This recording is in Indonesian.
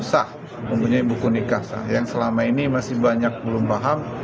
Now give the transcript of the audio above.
sah mempunyai buku nikasa yang selama ini masih banyak belum paham